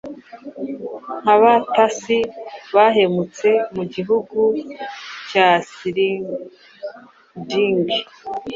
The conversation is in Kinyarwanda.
Nkabatasi bahemutse mugihugu cya Scyldings